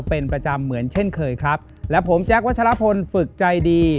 เป็นประจำเหมือนเช่นเคยครับและผมแจ๊ควัชลพลฝึกใจดี